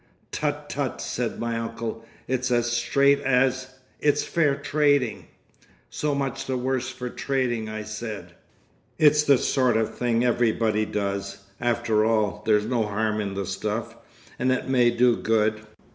"Tut! tut!" said my uncle. "It's as straight as—It's fair trading!" "So much the worse for trading," I said. "It's the sort of thing everybody does. After all, there's no harm in the stuff—and it may do good.